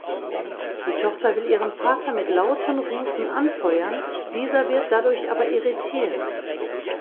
Die Tochter will ihren Vater mit lauten Rufen anfeuern, dieser wird dadurch aber irritiert.